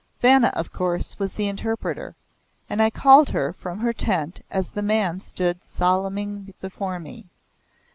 Vanna of course, was the interpreter, and I called her from her tent as the man stood salaaming before me.